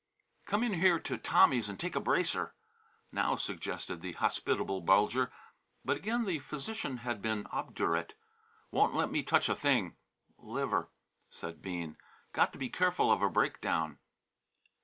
"Come in here to Tommy's and take a bracer," now suggested the hospitable Bulger. But again the physician had been obdurate. "Won't let me touch a thing liver," said Bean. "Got to be careful of a breakdown."